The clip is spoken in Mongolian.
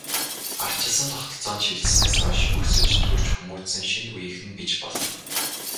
Ардчилсан тогтолцоонд шилжсэнээс хойш өсөж, төрж хүмүүжсэн шинэ үеийнхэн гэж болно.